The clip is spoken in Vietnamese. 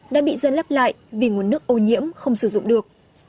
đã bị dân lắp lại vì nguồn nước ô nhiễm không sử dụng được